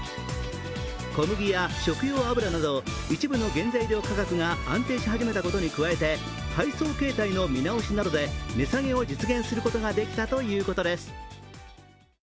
小麦や食用油など一部の原材料価格が安定し始めたことに加えて配送形態の見直しなどで値下げを実現することができたということです。